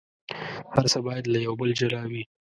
هر څه باید له یو بل جلا وي.